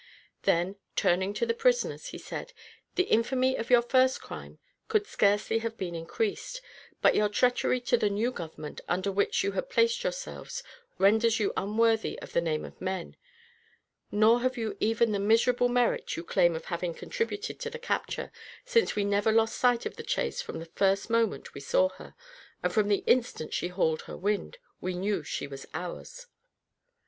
Then, turning to the prisoners, he said, "the infamy of your first crime could scarcely have been increased; but your treachery to the new government, under which you had placed yourselves, renders you unworthy of the name of men; nor have you even the miserable merit you claim of having contributed to the capture, since we never lost sight of the chase from the first moment we saw her, and from the instant she hauled her wind, we knew she was ours."